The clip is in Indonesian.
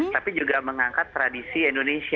tapi juga mengangkat tradisi indonesia